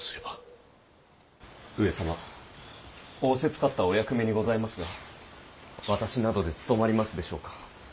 上様仰せつかったお役目にございますが私などでつとまりますでしょうか。